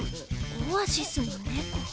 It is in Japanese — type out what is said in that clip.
オアシスのネコ。